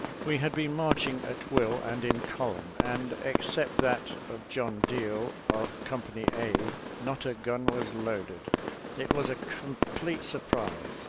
We had been marching at will and in column, and except that of John Deal of Com AROUND TORKTOWN 35 pany A, not a gun was loaded. It was a com plete surprise.